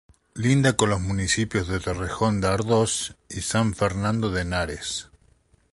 Linda con los municipios de Torrejón de Ardoz y San Fernando de Henares.